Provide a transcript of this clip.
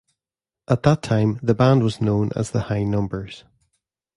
At that time the band was known as the High Numbers.